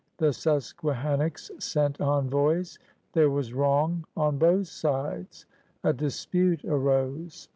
The Susqudiannocks sent envoys. There was wrong on both sides. A dispute arose.